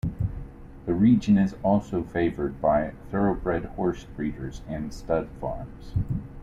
The region is also favoured by thoroughbred horse breeders and stud farms.